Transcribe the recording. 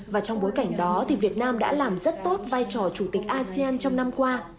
và trong bối cảnh đó thì việt nam đã làm rất tốt vai trò chủ tịch asean trong năm qua